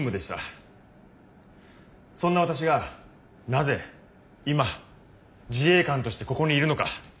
そんな私がなぜ今自衛官としてここにいるのか。